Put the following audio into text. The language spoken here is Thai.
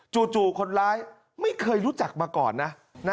จู่คนร้ายไม่เคยรู้จักมาก่อนนะ